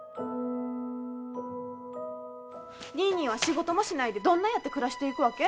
ニーニーは仕事もしないでどんなやって暮らしていくわけ？